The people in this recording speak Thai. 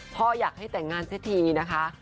พ่ออยากให้แต่งงานสักทีนะคะ